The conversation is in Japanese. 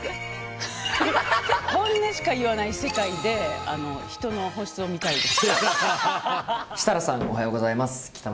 本音しか言わない世界で人の本質を見たいです。